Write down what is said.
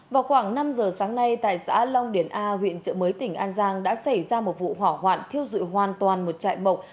vào khoảng năm giờ sáng nay tại xã long điển a huyện trợ mới tỉnh an giang đã xảy ra một vụ hỏa hoạn thiêu dụi hoàn toàn một chạy mộc